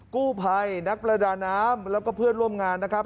กู้ภัยนักประดาน้ำแล้วก็เพื่อนร่วมงานนะครับ